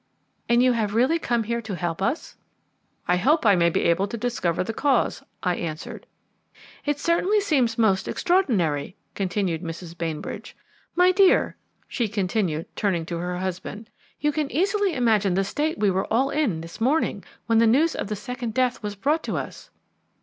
"And you have really come here to help us?" "I hope I may be able to discover the cause," I answered. "It certainly seems most extraordinary," continued Mrs. Bainbridge. "My dear," she continued, turning to her husband, "you can easily imagine the state we were all in this morning when the news of the second death was brought to us."